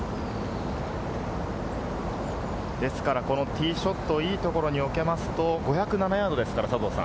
ですからティーショット、いいところに置けますと５０７ヤードですから。